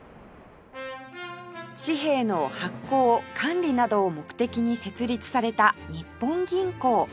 紙幣の発行管理などを目的に設立された日本銀行